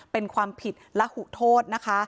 เป็นความผิดและหุโทษนะคะ